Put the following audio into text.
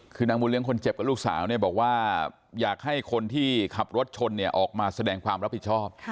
คือนางบุญเลี้ยคนเจ็บกับลูกสาวเนี่ยบอกว่าอยากให้คนที่ขับรถชนเนี่ยออกมาแสดงความรับผิดชอบ